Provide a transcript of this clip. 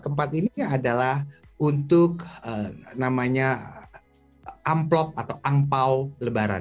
keempat ini adalah untuk namanya amplop atau angpao lebaran